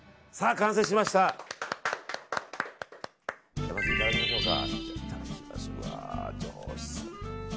じゃあ、いただきましょうか。